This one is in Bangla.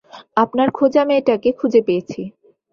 আপনার খোঁজা মেয়েটাকে খুঁজে পেয়েছি।